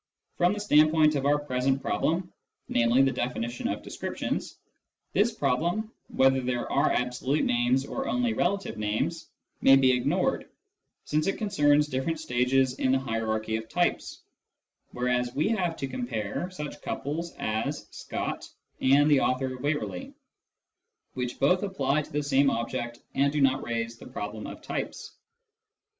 From the standpoint of our present problem, namely, the defini tion of descriptions, this problem, whether these are absolute names or only relative names, may be ignored, since it con cerns different stages in the hierarchy of " types," whereas we have to compare such couples as " Scott " and " the author of Waverley," which both apply to the same object, and do not raise the problem of types.